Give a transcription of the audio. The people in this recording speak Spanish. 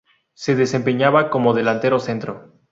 Se desempeñaba como delantero centro.